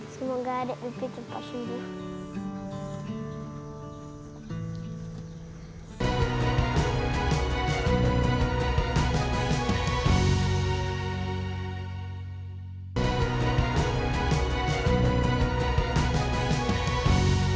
semoga adik adik cepat sembuh